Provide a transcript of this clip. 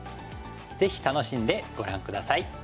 ぜひ楽しんでご覧下さい。